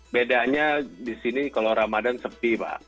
bedanya di sini